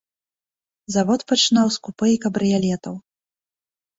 Завод пачынаў з купэ і кабрыялетаў.